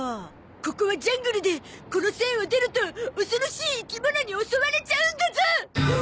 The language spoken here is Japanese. ここはジャングルでこの線を出ると恐ろしい生き物に襲われちゃうんだゾ！